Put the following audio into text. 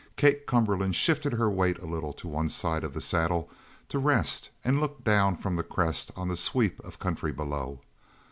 Kate Cumberland shifted her weight a little to one side of the saddle to rest and looked down from the crest on the sweep of country below.